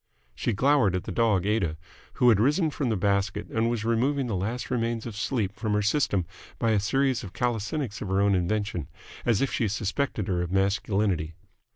She glowered at the dog Aida, who had risen from the basket and removing the last remains of sleep from her system by a series of calisthenics of her own invention, as if she suspected her of masculinity.